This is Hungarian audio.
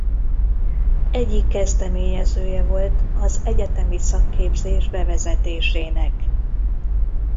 Egyik kezdeményezője volt az egyetemi szakképzés bevezetésének.